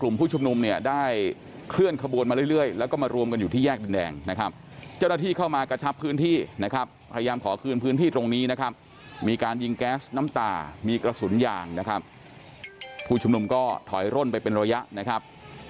มีกระสุนอย่างนะครับผู้ชุมนุมก็ถอยร่วนไปเป็นระยะนะครับ